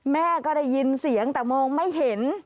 แม่ก็ได้ยินเสียงแต่มองไม่เห็น